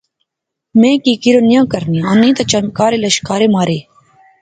میں کی کرن نیاں کرنیاں آنی تہ چمکارے لشکارے مارے